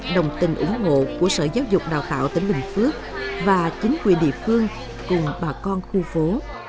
đồng tình ủng hộ của sở giáo dục đào tạo tỉnh bình phước và chính quyền địa phương cùng bà con khu phố